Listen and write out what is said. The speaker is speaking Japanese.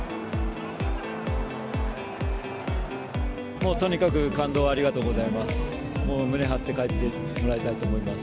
もう、とにかく感動をありがとうございます。